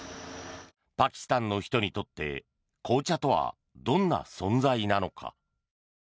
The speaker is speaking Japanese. パキスタンの人にとって紅茶とはどんな存在なのか。